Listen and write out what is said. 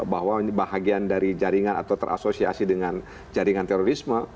bahwa bahagian dari jaringan atau terasosiasi dengan jaringan terorisme